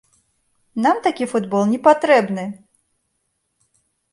Нам такі футбол не патрэбны!